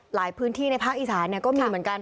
ในพื้นที่ในภาคอีสานก็มีเหมือนกัน